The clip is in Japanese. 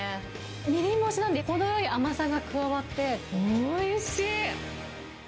みりん干しなんで、程よい甘さが加わって、おいしい。